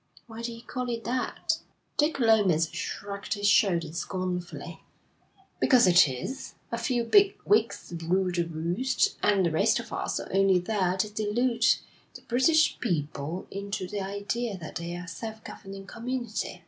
'Why do you call it that?' Dick Lomas shrugged his shoulders scornfully. 'Because it is. A few big wigs rule the roost, and the rest of us are only there to delude the British people into the idea that they're a self governing community.'